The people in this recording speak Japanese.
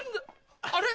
あれ？